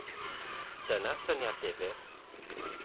Dyna syniad difyr.